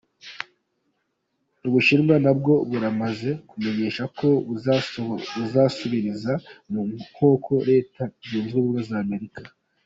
Ubushinwa nabwo buramaze kumenyesha ko buzosubiriza mu nkoko Leta zunze Ubumwe za Amerika.